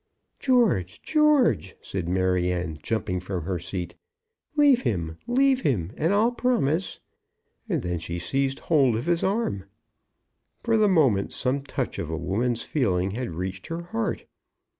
"George, George!" said Maryanne, jumping from her seat. "Leave him, leave him, and I'll promise " And then she seized hold of his arm. For the moment some touch of a woman's feeling had reached her heart.